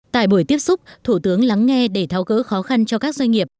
tại buổi tiếp xúc thủ tướng lắng nghe để tháo cỡ khó khăn cho các doanh nghiệp